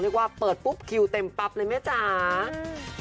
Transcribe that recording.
เรียกว่าเปิดปุ๊บคิวเต็มปั๊บเลยแม่จ๋า